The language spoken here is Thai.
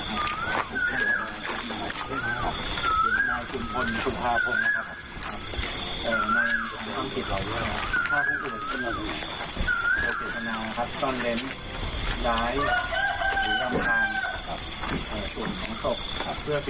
ไม่ยากไม่มีอาวุธปืนติดตัวโดยโดยไม่มีแบบมีโปรดนะครับ